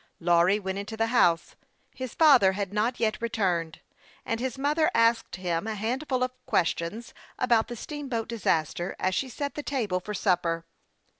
Lawry went into the house ; his father had not yet returned, and his mother asked him a hundred questions about the steamboat disaster, as she set the table for supper.